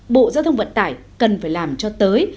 bộ giao thông vận tải cần phải làm cho tới